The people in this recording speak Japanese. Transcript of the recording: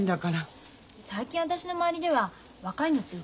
最近私の周りでは若いのってウケないみたい。